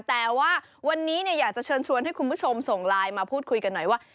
แต่ว่าวันนี้อยากจะเชิญชวนให้คุณผู้ชมส่งไลน์มาพูดคุยกันหน่อยว่า